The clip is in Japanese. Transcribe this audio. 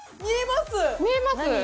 見えます？